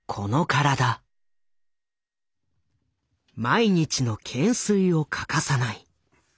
毎日の懸垂を欠かさない。